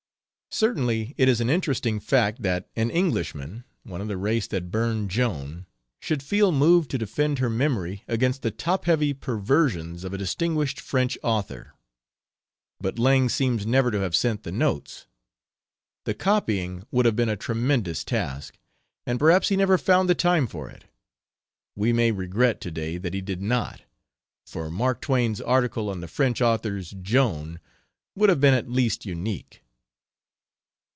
Certainly it is an interesting fact that an Englishman one of the race that burned Joan should feel moved to defend her memory against the top heavy perversions of a distinguished French author. But Lang seems never to have sent the notes. The copying would have been a tremendous task, and perhaps he never found the time for it. We may regret to day that he did not, for Mark Twain's article on the French author's Joan would have been at least unique.